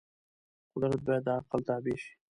قدرت باید د عقل تابع شي.